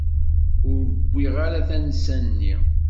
Ur wwiɣ ara tansa-nni.